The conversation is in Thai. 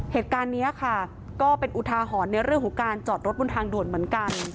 เหตุการณ์นี้ค่ะก็เป็นอุทาหรณ์ในเรื่องของการจอดรถบนทางด่วนเหมือนกัน